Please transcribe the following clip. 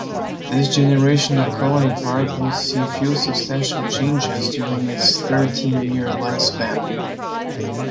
This generation of Colony Park would see few substantial changes during its thirteen-year lifespan.